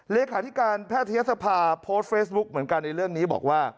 เลขาธิการแพทยศภาโพสต์เฟซบุ๊กเหมือนกันในเรื่องนี้บอกว่า